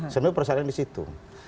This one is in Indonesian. semua persalahan di situ